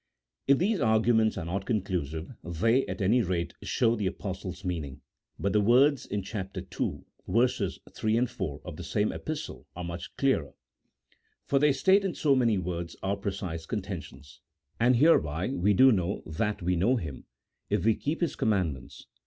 If these arguments are not conclusive, they, at any rate, show the Apostle's meaning, but the words in chap. ii. v. 3, 4, of the same Epistle are much clearer, for they state in so many words our precise contention :" And hereby we do know that we know Him, if we keep His commandments.